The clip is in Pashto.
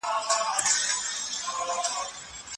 د کلي د ونو پاڼې په باد کې ښورېدې.